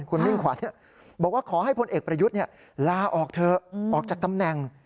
คุณมิ่งขวัญบอกว่าขอให้พลเอกประยุทธ์ลาออกเถอะออกจากตำแหน่ง